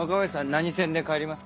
何線で帰りますか？